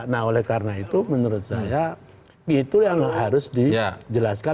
nah oleh karena itu menurut saya itu yang harus dijelaskan